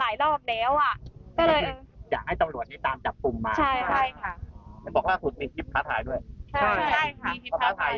แล้วไม่ได้โดนแค่คนเดียวนะคะเนี่ยโดนกันหมดเลย